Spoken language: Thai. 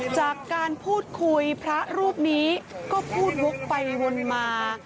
จากการพูดคุยพระรูปนี้ก็พูดวกไปวนมา